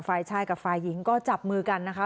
ฝ่ายชายกับฝ่ายหญิงก็จับมือกันนะคะ